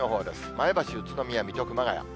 前橋、宇都宮、水戸、熊谷。